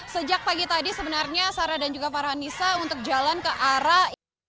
sejak pagi tadi sebenarnya sarah dan juga farhanisa untuk jalan ke arah